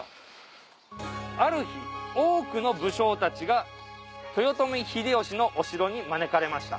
ある日多くの武将たちが豊臣秀吉のお城に招かれました。